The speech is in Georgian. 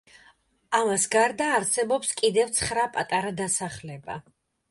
ამას გარდა, არსებობს კიდევ ცხრა პატარა დასახლება.